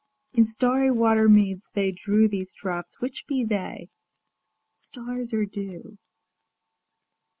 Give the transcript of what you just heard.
In starry water meads they drew These drops: which be they? stars or dew?